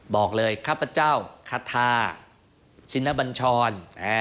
บอกเลยข้าพเจ้าขัทธาชิคพณะบัญชร